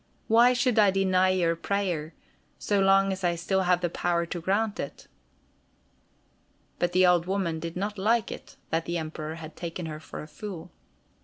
"Why should I deny your prayer, so long as I still have the power to grant it." But the old woman did not like it that the Emperor had taken her for a fool.